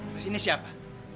terus ini siapa